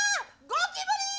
ゴキブリ！